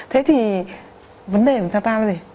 thế thì vấn đề của người ta là gì